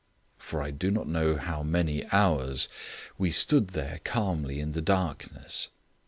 For I do not know how many hours we stood there calmly in the darkness.